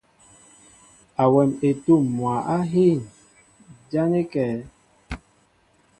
Awɛm etǔm mwǎ á hîn, ján é kɛ̌?